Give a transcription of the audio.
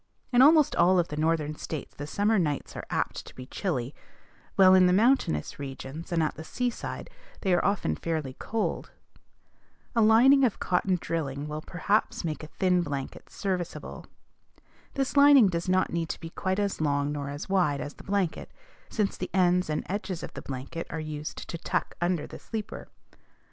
In almost all of the Northern States the summer nights are apt to be chilly; while in the mountainous regions, and at the seaside, they are often fairly cold. A lining of cotton drilling will perhaps make a thin blanket serviceable. This lining does not need to be quite as long nor as wide as the blanket, since the ends and edges of the blanket are used to tuck under the sleeper.